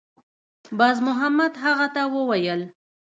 بازمحمد هغه ته وویل